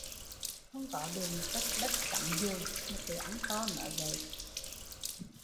Không có được một tấc đất cắm dùi mà cứ ăn to nói vậy